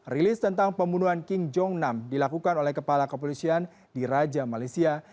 rilis tentang pembunuhan king jong nam dilakukan oleh kepala kepolisian di raja malaysia